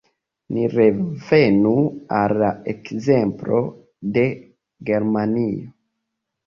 Ni revenu al la ekzemplo de Germanio.